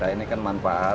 ini kan manfaat